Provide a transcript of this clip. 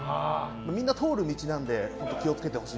みんな通る道なんで気を付けてください。